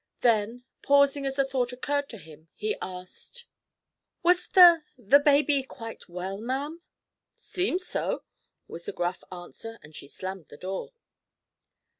Then, pausing as a thought occurred to him, he asked: "Was the—the baby—quite well, ma'am?" "Seemed so," was the gruff answer and she slammed the door.